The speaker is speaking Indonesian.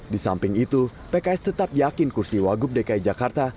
di samping itu pks tetap yakin kursi wagub dki jakarta